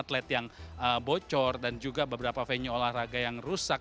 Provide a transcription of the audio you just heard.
atlet yang bocor dan juga beberapa venue olahraga yang rusak